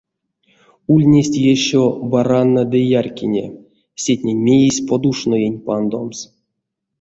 Ульнесть ещё бараннэ ды яркине, сетнень миизь подушноень пандомс.